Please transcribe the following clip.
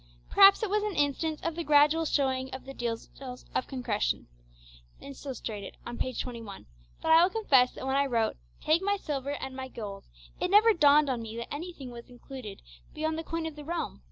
Perhaps it was an instance of the gradual showing of the details of consecration, illustrated on page 21, but I will confess that when I wrote 'Take my silver and my gold,' it never dawned on me that anything was included beyond the coin of the realm!